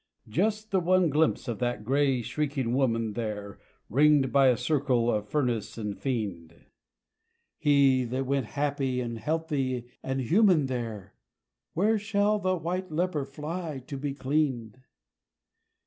Just the one glimpse of that grey, shrieking woman there Ringed by a circle of furnace and fiend! He that went happy and healthy and human there Where shall the white leper fly to be cleaned?